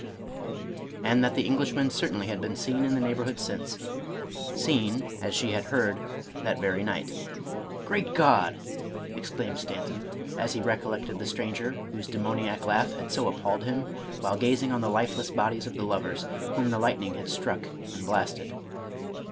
... and that the Englishman certainly had been seen in the neighborhood since; — seen, as she had heard, that very night. "Great G — d!" exclaimed Stanton, as he recol lected the stranger whose demoniac laugh had so appalled him, while gazing on the lifeless bodies of the lovers, whom the lightning had struck and blasted.